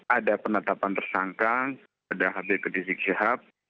ada penetapan tersangka pada habib rizik syihab